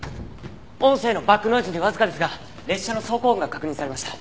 音声のバックノイズにわずかですが列車の走行音が確認されました。